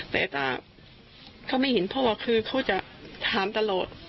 แต่ถ้าไม่เห็นพ่อคือเขาจะถามตลอด